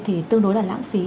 thì tương đối là lãng phí